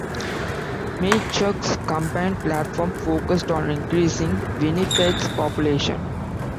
Mihychuk's campaign platform focussed on increasing Winnipeg's population.